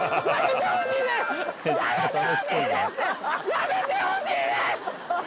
やめてほしいです！